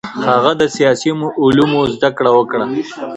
هغه د سیاسي علومو زده کړه وکړه.